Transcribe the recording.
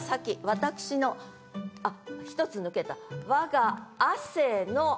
私のあっ１つ抜けた。